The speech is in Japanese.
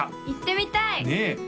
行ってみたい！